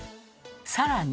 さらに。